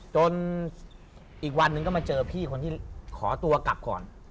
จนอีกวันหนึ่งก็มาเจอพี่คนที่ขอตัวกลับก่อน